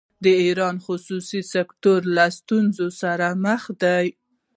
د ایران خصوصي سکتور له ستونزو سره مخ دی.